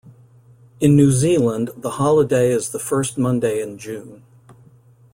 In New Zealand, the holiday is the first Monday in June.